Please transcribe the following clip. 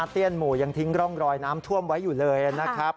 หมู่ยังทิ้งร่องรอยน้ำท่วมไว้อยู่เลยนะครับ